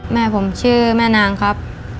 แม่ผมชื่อแม่นางครับ